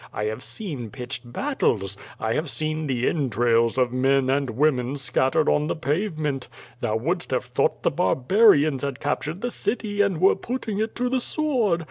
I have seen pitched battles. I have seen the en trails of men and women scattered on tlie pavement. Thou wouldst have thought the barbarians had captured the city and were putting it to the sword.